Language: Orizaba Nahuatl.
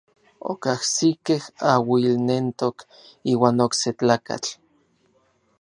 Okajsikej auilnentok iuan okse tlakatl.